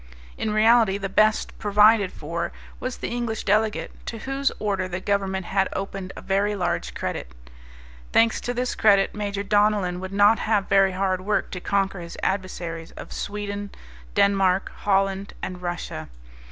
In reality the best provided for was the English delegate, to whose order the Government had opened a very large credit. Thanks to this credit Major Donellan would not have very hard work to conquer his adversaries of Sweden, Denmark Holland, and Russia.